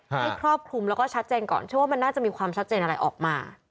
ให้ครอบคลุมแล้วก็ชัดเจนก่อนเชื่อว่ามันน่าจะมีความชัดเจนอะไรออกมา